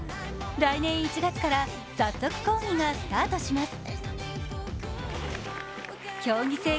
来年１月から早速講義がスタートします。